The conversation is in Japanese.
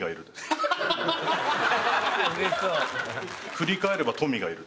「振り返ればトミがいる」。